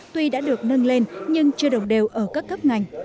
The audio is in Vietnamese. tuy đã được nâng lên nhưng chưa đồng đều ở các cấp ngành